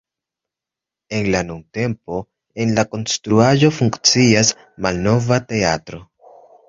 En la nuntempo en la konstruaĵo funkcias Malnova Teatro.